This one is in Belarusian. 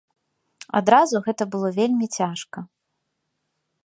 Адразу гэта было вельмі цяжка.